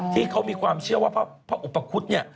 ที่เขามีความเชื่อว่าพระอุปคุฎเนี่ย